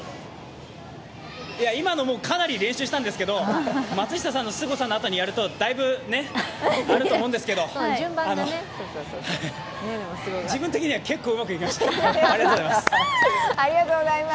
今のもかなり練習したんですけど松下さんのすごさのあとにやるとだいぶね、あると思うんですけど自分的には結構うまくいきました。